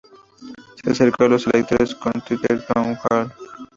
Se acercó a los electores con un "Twitter Town Hall".